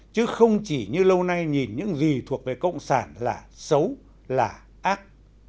chứ không chỉ như lâu nay nhìn những gì thuộc về cộng sản là xấu là ác